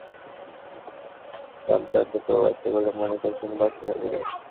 ফিফার নিষেধাজ্ঞার পেছনেও এসব চক্রান্তের প্রভাব আছে বলে মনে করছেন বার্সা সভাপতি।